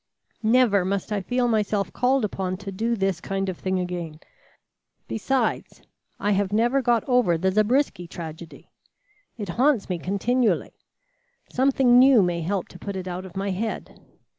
Never must I feel myself called upon to do this kind of thing again. Besides, I have never got over the Zabriskie tragedy. It haunts me continually. Something new may help to put it out of my head.